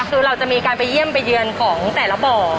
คือเราจะมีการไปเยี่ยมไปเยือนของแต่ละบ่อ